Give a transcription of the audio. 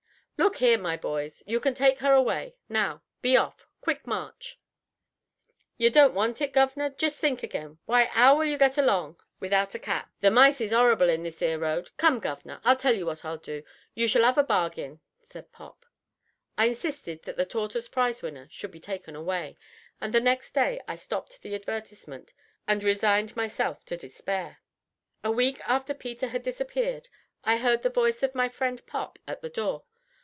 "Look here, my boys, you can take her away. Now, be off. Quick march!" "Yer don't want it, guv'nor. Jest think agin. Why, 'ow will you get along without a cat? The mice is 'orrible in this 'ere road. Come, guv'nor, I'll tell you what I'll do. You shall 'ave a bargain," said Pop. I insisted that the tortoise prize winner should be taken away, and the next day I stopped the advertisement and resigned myself to despair. A week after Peter had disappeared I heard the voice of my friend Pop at the door.